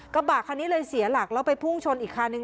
กระบะคันนี้เลยเสียหลักแล้วไปพุ่งชนอีกคันนึง